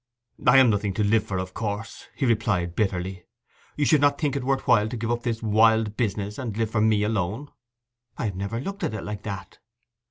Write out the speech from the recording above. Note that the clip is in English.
'I am nothing to live for, of course,' he replied bitterly. 'You would not think it worth while to give up this wild business and live for me alone?' 'I have never looked at it like that.